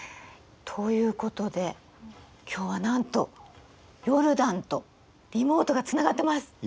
ということで今日はなんとヨルダンとリモートがつながってます。